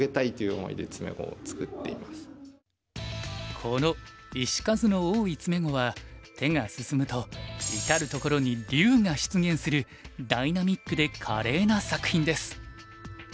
この石数の多い詰碁は手が進むと至る所に龍が出現するダイナミックで華麗な作品です。